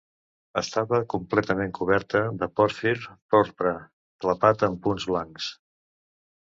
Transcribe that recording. Estava completament coberta de pòrfir porpra, clapat amb punts blancs.